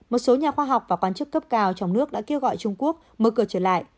một số nhà khoa học và quan chức cấp cao trong nước đã kêu gọi trung quốc mở cửa trở lại